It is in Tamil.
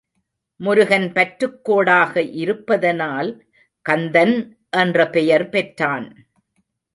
முருகன் பற்றுக்கோடாக இருப்பதனால் கந்தன் என்ற பெயர் பெற்றான்.